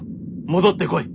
戻ってこい！』